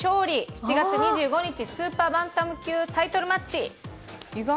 ７月２５日スーパーバンタム級タイトルマッチ」。